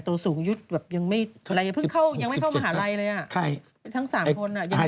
ตัวสูงอายุแบบยังไม่เข้ามหาลัยเลยอะ